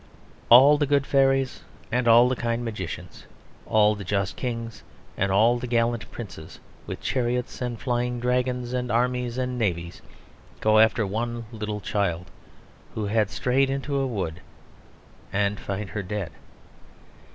All the good fairies and all the kind magicians, all the just kings and all the gallant princes, with chariots and flying dragons and armies and navies go after one little child who had strayed into a wood, and find her dead.